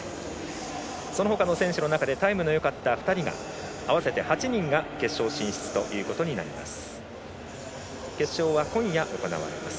そのほかの選手の中でタイムのよかった２人合わせて８人が決勝進出となります。